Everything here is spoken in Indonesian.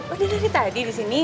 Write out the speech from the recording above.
oh dia dari tadi disini